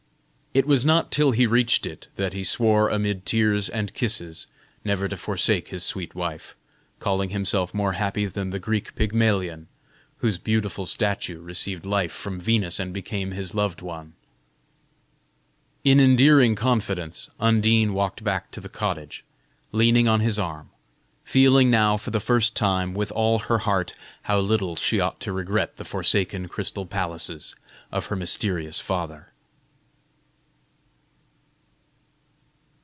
It was not till he reached it, that he swore amid tears and kisses, never to forsake his sweet wife, calling himself more happy than the Greek Pygmalion, whose beautiful statue received life from Venus and became his loved one. In endearing confidence, Undine walked back to the cottage, leaning on his arm; feeling now for the first time, with all her heart, how little she ought to regret the forsaken crystal palaces of her mysterious father.